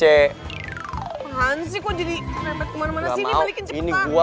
tuhan sih kok jadi rempet kemana mana sini balikin cepetan